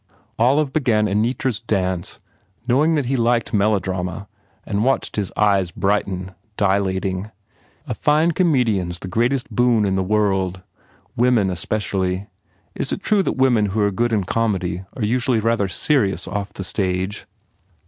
Olive began "Anitra s Dance" knowing that he liked melodrama and watched his eyes brighten, 42 HE PROGRESSES dilating. She said amiably, U A fine comedian s the greatest boon in the world. Women especially. Is it true that women who re good in comedy are usually rather serious off the stage?"